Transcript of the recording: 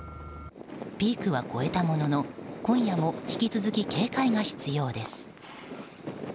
ピークは越えたものの今夜も引き続き警戒が必要です。